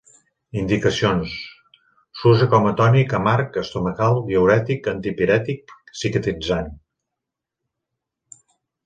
Indicacions: s'usa com a tònic amarg, estomacal, diürètic, antipirètic, cicatritzant.